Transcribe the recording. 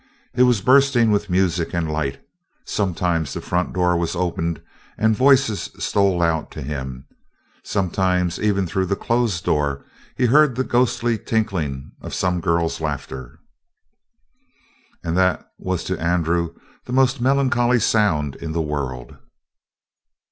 It was bursting with music and light; sometimes the front door was opened and voices stole out to him; sometimes even through the closed door he heard the ghostly tinkling of some girl's laughter. And that was to Andrew the most melancholy sound in the world.